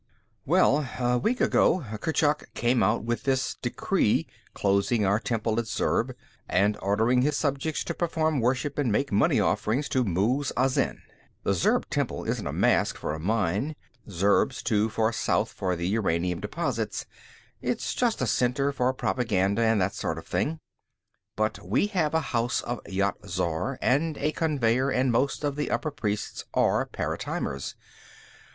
"Well, a week ago, Kurchuk came out with this decree closing our temple at Zurb and ordering his subjects to perform worship and make money offerings to Muz Azin. The Zurb temple isn't a mask for a mine: Zurb's too far south for the uranium deposits. It's just a center for propaganda and that sort of thing. But they have a House of Yat Zar, and a conveyer, and most of the upper priests are paratimers.